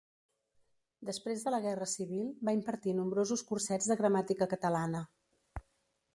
Després de la guerra civil va impartir nombrosos cursets de gramàtica catalana.